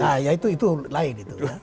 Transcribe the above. nah itu itu lain